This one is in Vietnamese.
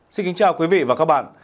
xin kính chào quý vị và các bạn